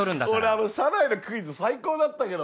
俺あの車内のクイズ最高だったけど。